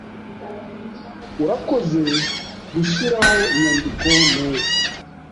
Urakoze gushiraho inyandiko neza.